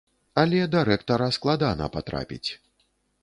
Але да рэктара складана патрапіць.